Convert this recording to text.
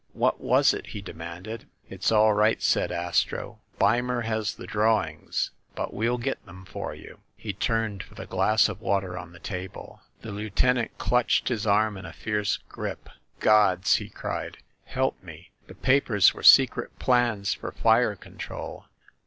"What was it ?" he demanded. "It's all right/' said Astro. "Beimer has the draw ings ; but we'll get them for you." He turned for the glass of water on the table. The lieutenant clutched his arm in a fierce grip. "Gods !" he cried. "Help me ! The papers were secret plans for fire control.